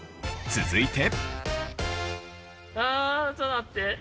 続いて。